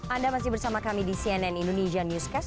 anda masih bersama kami di cnn indonesia newscast